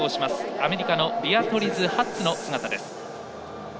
アメリカのビアトリズ・ハッツ。